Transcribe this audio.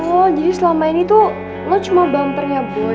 oh jadi selama ini tuh lo cuma bumpernya pun